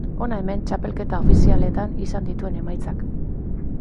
Hona hemen txapelketa ofizialetan izan dituen emaitzak.